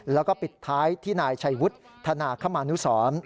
แล้วก็ปิดท้ายที่นายชัยวุฒิธนาคมานุสร